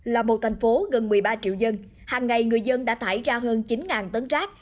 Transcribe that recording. là một thành phố gần một mươi ba triệu dân hàng ngày người dân đã thải ra hơn chín tấn rác